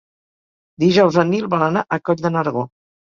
Dijous en Nil vol anar a Coll de Nargó.